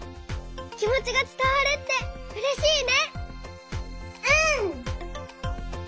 きもちがつたわるってうれしいね！